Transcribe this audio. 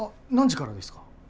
何時からですか？